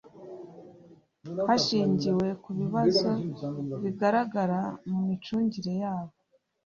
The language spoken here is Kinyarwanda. hanshingiwe ku bibazo bigaragara mu micungire yabo